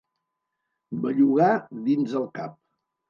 Bellugar dins el cap.